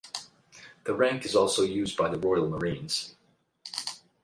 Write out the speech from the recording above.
The rank is also used by the Royal Marines.